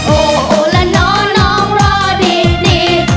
โอ้โอ้เลิกน้องน้องรอดี